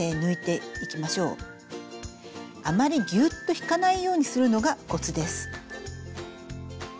あまりギュッと引かないようにするのがコツです。